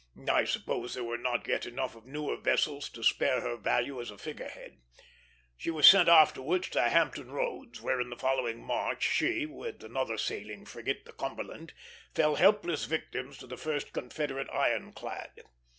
I suppose there were not yet enough of newer vessels to spare her value as a figure head. She was sent afterwards to Hampton Roads, where in the following March she, with another sailing frigate, the Cumberland, fell helpless victims to the first Confederate iron clad.